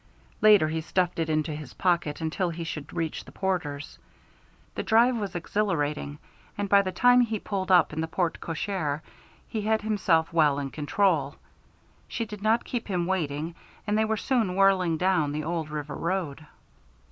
Later he stuffed it into his pocket until he should reach the Porters'. The drive was exhilarating, and by the time he pulled up in the porte cochere he had himself well in control. She did not keep him waiting, and they were soon whirling down the old river road.